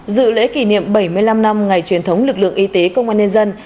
dự lễ kỷ niệm bảy mươi năm năm ngày truyền thống lực lượng y tế công an nhân dân